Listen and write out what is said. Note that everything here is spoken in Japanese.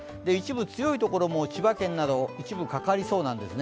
強いところも千葉県など一部かかりそうです。